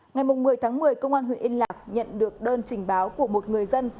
ngày một mươi tháng một mươi công an huyện yên lạc nhận được đơn trình báo của một người dân